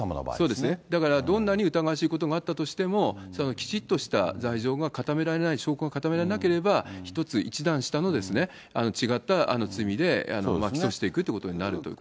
そうですね、だからどんなに疑わしいところがあったとしても、きちっとした罪状が固められない、証拠が固められなければ、１つ、１段下の違った罪で起訴していくということになるということ。